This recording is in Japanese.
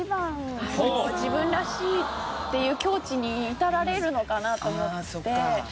自分らしいっていう境地に至られるのかなと思って。